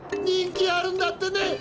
人気あるんだってね！